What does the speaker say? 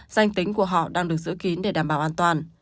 danh tính của họ đang được giữ kín để đảm bảo an toàn